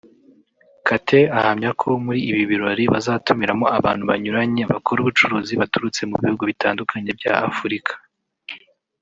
Kate ahamya ko muri ibi birori bazatumiramo abantu banyuranye bakora ubucuruzi baturutse mu bihugu bitandukanye bya Afurika